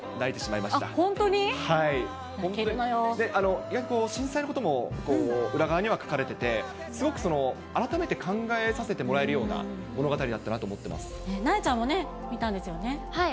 意外と震災のことも裏側には描かれてて、すごく改めて考えさせてもらえるような物語だったななえちゃんもね、見たんですはい。